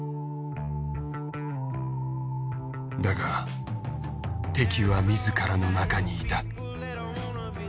だが敵は自らの中にいた。